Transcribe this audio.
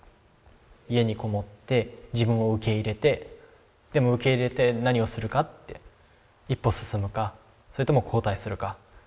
家にこもって自分を受け入れてでも受け入れて何をするかって一歩進むかそれとも後退するか。